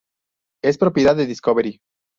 Es propiedad de Discovery.